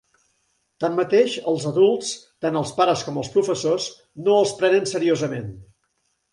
Tanmateix, els adults, tant els pares com els professors, no els prenen seriosament.